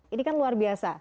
ini kan luar biasa